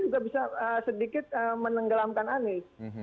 jadi itu mungkin sedikit menenggelamkan anis